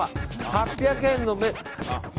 ８００円の目。